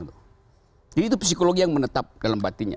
jadi itu psikologi yang menetap dalam batinnya